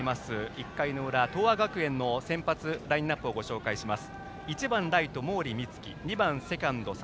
１回裏東亜学園の先発ラインナップをご紹介します。